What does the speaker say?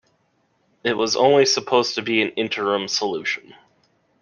It was only supposed to be an interim solution.